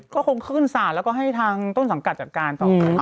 ก็คงขึ้นศาลแล้วก็ให้ทางต้นสังกัดจัดการต่อไป